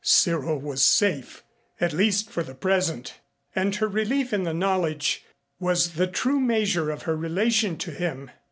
Cyril was safe at least for the present. And her relief in the knowledge was the true measure of her relation to him.